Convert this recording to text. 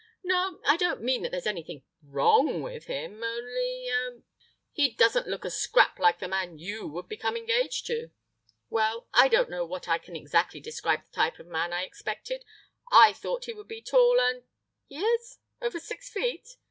"No, I don't mean that there's anything wrong with him, only—er—he doesn't look a scrap like the man you would become engaged to.... "Well, I don't know that I can exactly describe the type of man I expected. I thought he would be tall and—— "He is? Over six feet?